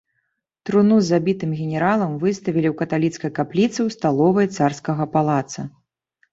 Труну з забітым генералам выставілі ў каталіцкай капліцы ў сталовай царскага палаца.